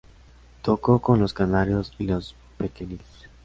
Tocó con Los Canarios y Los Pekenikes.